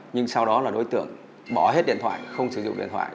nhưng sau đó là đối tượng bỏ hết điện thoại không sử dụng điện thoại